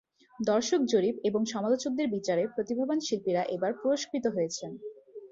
দর্শক জরিপ আর সমালোচকদের বিচারে প্রতিভাবান শিল্পীরা এবার পুরস্কৃত হয়েছেন।